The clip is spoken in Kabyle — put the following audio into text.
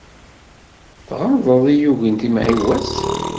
Tɣelḍeḍ i yugin timɛiwa-s.